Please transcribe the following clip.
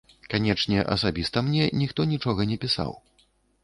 Канечне, асабіста мне ніхто нічога не пісаў.